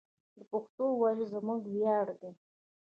د پښتو ویل زموږ ویاړ دی.